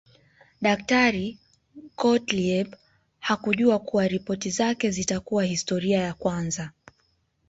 Daktari Gottlieb hakujua kuwa ripoti zake zitakuwa historia ya kwanza